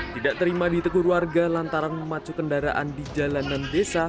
tidak terima ditegur warga lantaran memacu kendaraan di jalanan desa